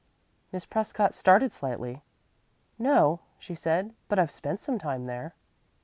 Miss Prescott started slightly. "No," she said; "but I've spent some time there."